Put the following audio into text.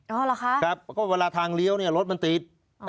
อ๋อเหรอคะครับก็เวลาทางเลี้ยวรถมันติด